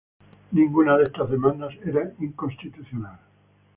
Ninguna de estas demandas era inconstitucional.